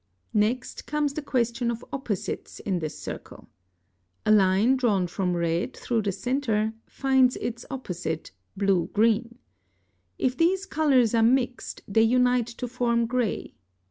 (61) Next comes the question of opposites in this circle. A line drawn from red, through the centre, finds its opposite, blue green. If these colors are mixed, they unite to form gray.